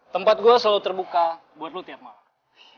tempat gua selalu terbuka buat lu tiap malam